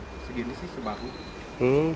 segini sih semaku